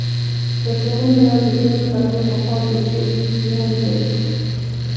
په سوونو یا زرګونو کلونه پخوا جوړ شوي څېزونه لیدلي.